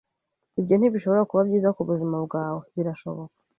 Ibyo ntibishobora kuba byiza kubuzima bwawe, birashoboka?